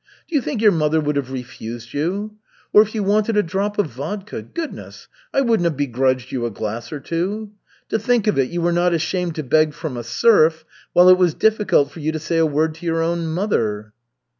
Do you think your mother would have refused you? Or if you wanted a drop of vodka, goodness, I wouldn't have begrudged you a glass or two. To think of it, you were not ashamed to beg from a serf, while it was difficult for you to say a word to your own mother."